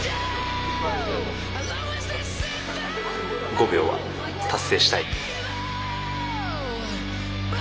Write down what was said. ５秒は達成したい。